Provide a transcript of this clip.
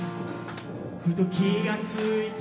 ふと気が付いて